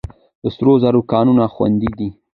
د سرو زرو کانونه خوندي دي؟